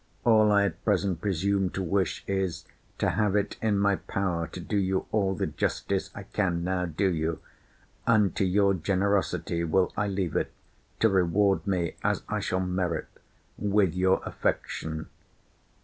All I at present presume to wish is, to have it in my power to do you all the justice I can now do you: and to your generosity will I leave it, to reward me, as I shall merit, with your affection.